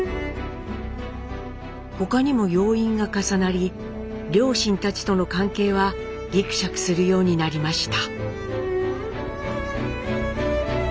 他にも要因が重なり両親たちとの関係はぎくしゃくするようになりました。